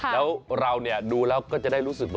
แล้วเราดูแล้วก็จะได้รู้สึกว่า